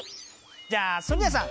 じゃあソニアさん。